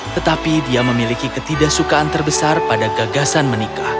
tetapi dia memiliki ketidaksukaan terbesar pada gagasan menikah